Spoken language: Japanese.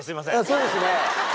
そうですね。